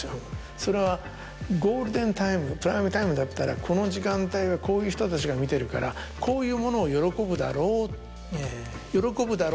それは「ゴールデンタイムプライムタイムだったらこの時間帯はこういう人たちが見てるからこういうものを喜ぶだろう」。